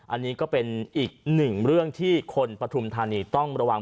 อันนี้ก็เป็นอีกหนึ่งเรื่องที่คนปฐุมธานีต้องระวัง